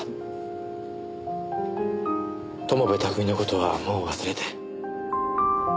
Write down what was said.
友部巧の事はもう忘れて。